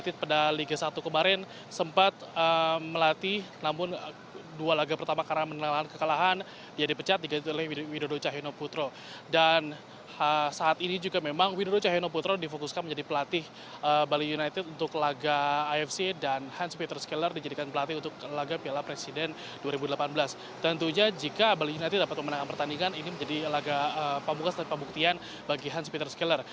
dan pertandingan ini menjadi laga pembuka dan pembuktian bagi hans peter skiller